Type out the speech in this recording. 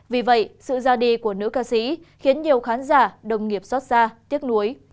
vì vậy sự ra đi của nữ ca sĩ khiến nhiều khán giả đồng nghiệp xót xa tiếc nuối